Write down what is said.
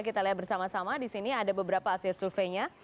kita lihat bersama sama disini ada beberapa hasil surveinya